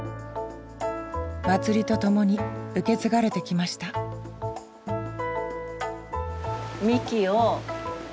祭りとともに受け継がれてきましたみき。